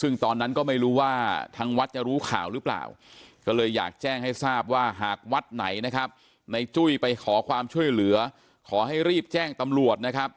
ซึ่งตอนนั้นก็ไม่รู้ว่าทางวัดจะรู้ข่าวหรือเปล่าก็เลยอยากแจ้งให้ทราบว่าหากวัดไหนนะครับในจุ้ยไปขอความช่วยเหลือขอให้รีบแจ้งตำรวจนะครับ